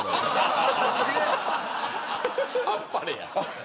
あっぱれや。